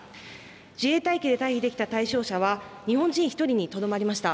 自衛隊機で退避できた対象者は日本人１人にとどまりました。